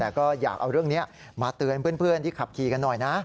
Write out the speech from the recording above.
แต่ก็อยากเอาเรื่องนี้มาเตือนเพื่อนที่ขับขี่กันหน่อยนะ